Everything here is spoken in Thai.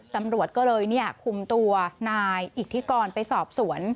ตำรวจก็เลยคุมตัวนายอิทธิกรไปสอบสวน